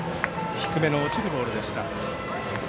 低めの落ちるボールでした。